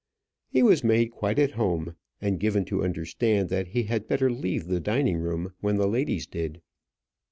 He was made quite at home, and given to understand that he had better leave the dining room when the ladies did so.